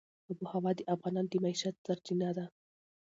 آب وهوا د افغانانو د معیشت سرچینه ده.